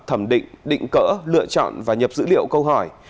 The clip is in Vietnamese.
thẩm định định cỡ lựa chọn và nhập dữ liệu câu hỏi